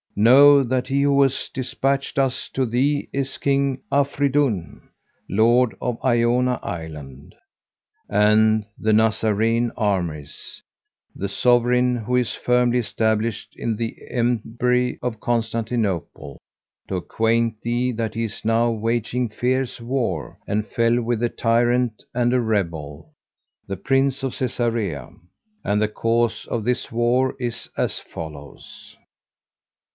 know that he who despatched us to thee is King Afrídún,[FN#150] Lord of Ionia land[FN#151] and of the Nazarene armies, the sovereign who is firmly established in the empery of Constantinople, to acquaint thee that he is now waging fierce war and fell with a tyrant and a rebel, the Prince of Cæsarea; and the cause of this war is as follows.